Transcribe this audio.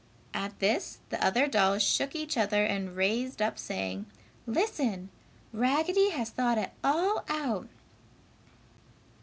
At this the other dolls shook each other and raised up saying, "Listen! Raggedy has thought it all out!"